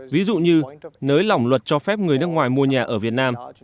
ví dụ như nới lỏng luật cho phép người nước ngoài mua nhà ở việt nam